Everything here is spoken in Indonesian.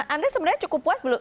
anda sebenarnya cukup puas belum